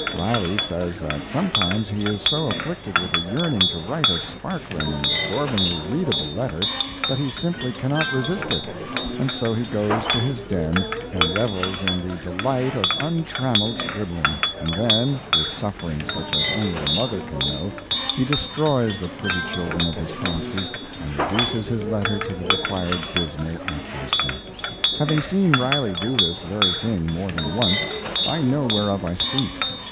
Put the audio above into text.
Riley says that sometimes he is so afflicted with a yearning to write a sparkling and absorbingly readable letter that he simply cannot resist it, and so he goes to his den and revels in the delight of untrammeled scribbling; and then, with suffering such as only a mother can know, he destroys the pretty children of his fancy and reduces his letter to the required dismal accuracy. Having seen Riley do this very thing more than once, I know whereof I speak.